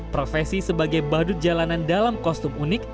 profesi sebagai badut jalanan dalam kostum unik